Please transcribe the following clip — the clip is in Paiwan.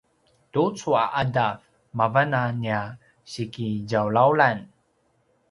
tucu a ’adav mavan a nia sikitjawlawlan